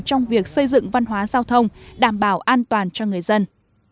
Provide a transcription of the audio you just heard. trong việc xây dựng văn hóa giao thông đảm bảo an toàn cho người dân